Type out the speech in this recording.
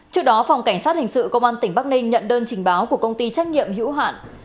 trước đó phòng cảnh sát hình sự công an tỉnh bắc ninh nhận đơn trình báo của công ty trách nhiệm hữu hạn